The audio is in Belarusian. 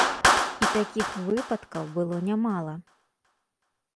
І такіх выпадкаў было нямала.